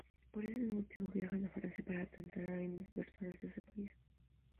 Por ese motivo, viajan a Francia para tentar a inversores de ese país.